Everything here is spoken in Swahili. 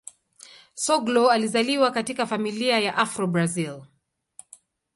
Soglo alizaliwa katika familia ya Afro-Brazil.